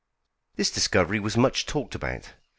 This discovery was much talked about.